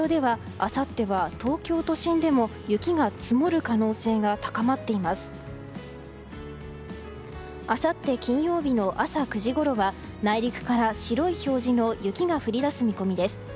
あさって金曜日の朝９時頃は内陸から白い表示の雪が降り出す見込みです。